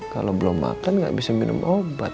kalau belum makan nggak bisa minum obat